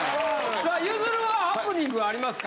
さあゆずるはハプニングありますか？